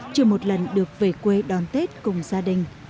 chưa một lần được về quê đón tết cùng gia đình